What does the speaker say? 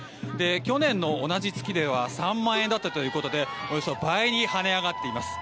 去年の同じ月では３万円だったということでおよそ倍にはね上がっています。